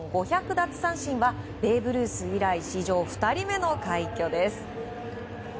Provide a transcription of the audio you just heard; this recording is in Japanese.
奪三振はベーブ・ルース以来史上２人目の快挙です。